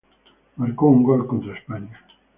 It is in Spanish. Marcó un gol contra España.